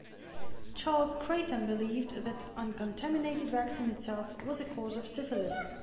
Charles Creighton believed that uncontaminated vaccine itself was a cause of syphilis.